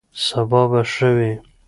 سبا به ښه وي.